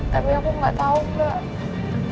tapi aku gak tau mbak